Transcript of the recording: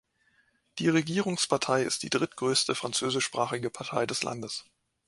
Die Regierungspartei ist die drittgrößte französischsprachige Partei des Landes.